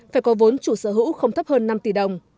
phải có vốn chủ sở hữu không thấp hơn năm tỷ đồng